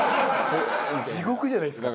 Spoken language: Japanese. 地獄じゃないですか。